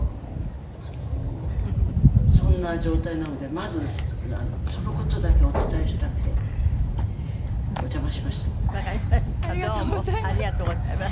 「そんな状態なのでまずその事だけお伝えしたくて」「お邪魔しました」わかりました。